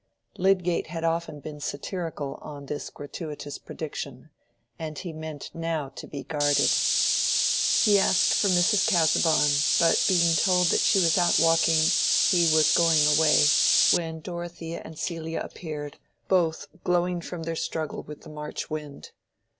Lydgate had often been satirical on this gratuitous prediction, and he meant now to be guarded. He asked for Mrs. Casaubon, but being told that she was out walking, he was going away, when Dorothea and Celia appeared, both glowing from their struggle with the March wind.